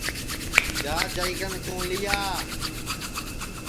جا جائی کن توں لیا